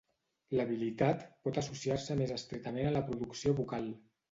L'habilitat pot associar-se més estretament a la producció vocal.